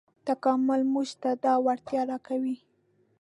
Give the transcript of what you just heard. تکامل موږ ته دا وړتیا راکوي.